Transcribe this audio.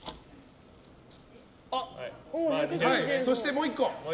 もう１個。